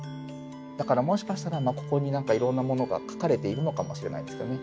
だからもしかしたらここに何かいろんなものが書かれているのかもしれないですけどね。